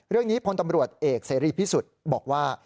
เรื่องนี้พลตำรวจเอกซีรีย์พิสูจน์บอกว่า